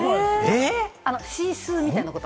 シースーみたいなこと？